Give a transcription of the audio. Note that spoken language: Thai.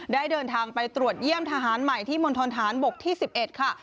ได้เดินทางไปตรวจเยี่ยมทหารใหม่ที่มณฑนฐานบกที่๑๑ค่ะ